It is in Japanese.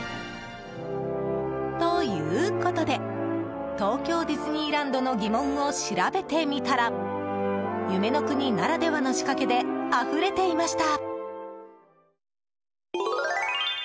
ということで東京ディズニーランドの疑問を調べてみたら夢の国ならではの仕掛けであふれていました。